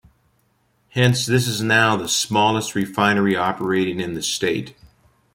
Hence, this is now the smallest refinery operating in the state.